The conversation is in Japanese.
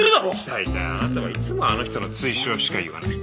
大体あなたはいつもあの人の追従しか言わない。